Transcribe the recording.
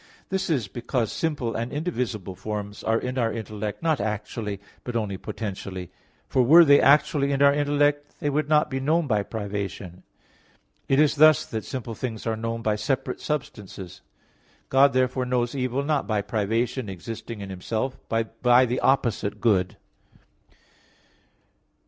This is because simple and indivisible forms are in our intellect not actually, but only potentially; for were they actually in our intellect, they would not be known by privation. It is thus that simple things are known by separate substances. God therefore knows evil, not by privation existing in Himself, but by the opposite good.